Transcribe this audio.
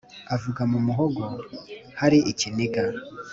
Avuga mu muhogo hari ikiniga